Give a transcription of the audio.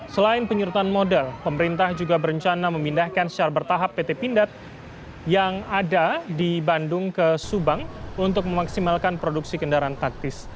selain penyurutan modal pemerintah juga berencana memindahkan secara bertahap pt pindad yang ada di bandung ke subang untuk memaksimalkan produksi kendaraan taktis